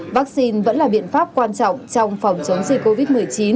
vaccine vẫn là biện pháp quan trọng trong phòng chống dịch covid một mươi chín